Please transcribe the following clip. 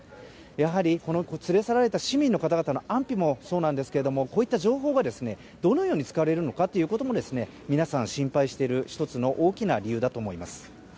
やはり連れ去られた市民の方々の安否もそうなんですがこういった情報が、どのように使われるのかということも皆さん、心配している１つの大きな理由だと思います。